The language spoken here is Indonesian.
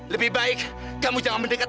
lebih baik kamu jangan mendekat